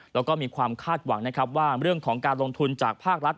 และมีความคาดหวังว่าเรื่องของการลงทุนจากภาครัฐ